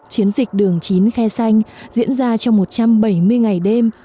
chiến dịch đường chín khe xanh diễn ra trong một trăm bảy mươi ngày đêm